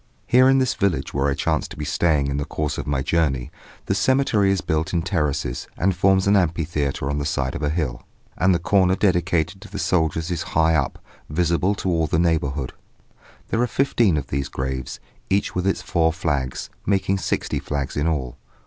Here in this village where I chance to be staying in the course of my journey, the cemetery is built in terraces, and forms an amphitheatre on the side of a hill, and the corner dedicated to the soldiers is high up, visible to all the neighbourhood. There are fifteen of these graves, each with its four flags, making sixty flags in all.